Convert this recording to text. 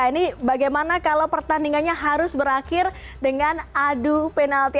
ini bagaimana kalau pertandingannya harus berakhir dengan adu penalti